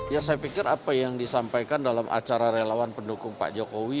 ya saya pikir apa yang disampaikan dalam acara relawan pendukung pak jokowi